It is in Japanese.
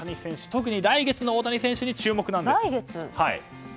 特に来月の大谷選手に注目です。